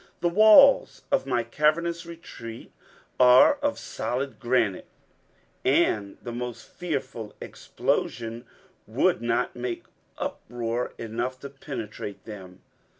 The walls of my cavernous retreat are of solid granite, and the most fearful explosion would not make uproar enough to penetrate them.